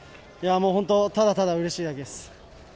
本当、ただただうれしいだけです。